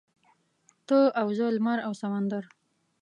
ته او زه لمر او سمندر.